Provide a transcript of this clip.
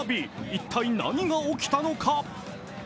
一体、何が起きたのか。